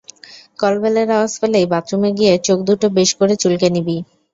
কলবেলের আওয়াজ পেলেই বাথরুমে গিয়ে চোখ দুটো বেশ করে চুলকে নিবি।